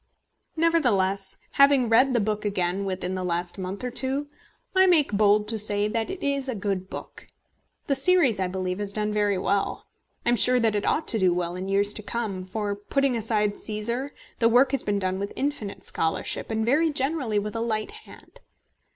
Nevertheless, having read the book again within the last month or two, I make bold to say that it is a good book. The series, I believe, has done very well. I am sure that it ought to do well in years to come, for, putting aside Cæsar, the work has been done with infinite scholarship, and very generally with a light hand.